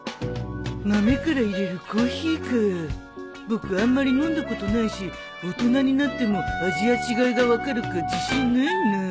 僕あんまり飲んだことないし大人になっても味や違いが分かるか自信ないな。